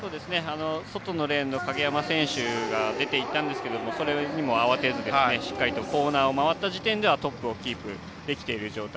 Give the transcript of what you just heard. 外のレーンの景山選手が出ていたんですけれどもそれにも慌てずにしっかりとコーナーを回った時点ではトップをキープできている状態。